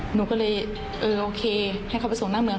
หนูก็เลยเออโอเคให้เขาไปส่งหน้าเมือง